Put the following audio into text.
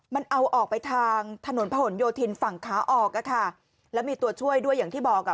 มันเอาออกไปทางถนนผนโยธินฝั่งขาออกอะค่ะแล้วมีตัวช่วยด้วยอย่างที่บอกอ่ะ